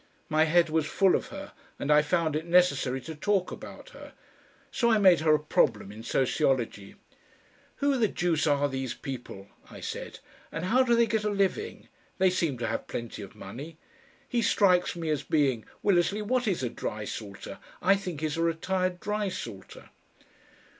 My head was full of her, and I found it necessary to talk about her. So I made her a problem in sociology. "Who the deuce are these people?" I said, "and how do they get a living? They seem to have plenty of money. He strikes me as being Willersley, what is a drysalter? I think he's a retired drysalter."